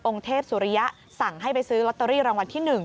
เทพสุริยะสั่งให้ไปซื้อลอตเตอรี่รางวัลที่๑